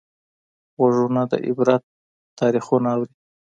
غوږونه د عبرت تاریخونه اوري